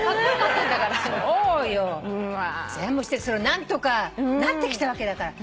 何とかなってきたわけだから。